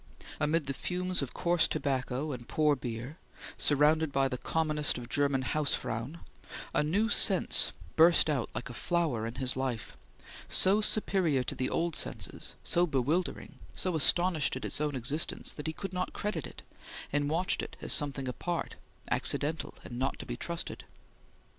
Amid the fumes of coarse tobacco and poor beer, surrounded by the commonest of German Haus frauen, a new sense burst out like a flower in his life, so superior to the old senses, so bewildering, so astonished at its own existence, that he could not credit it, and watched it as something apart, accidental, and not to be trusted.